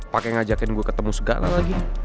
pake ngajakin gue ketemu segala lagi